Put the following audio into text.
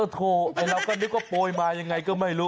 เราก็นึกว่าโปรยมายังไงก็ไม่รู้